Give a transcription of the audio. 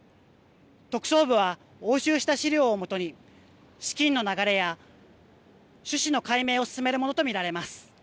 特捜部は、押収した資料をもとに資金の流れや趣旨の解明を進めるものとみられます。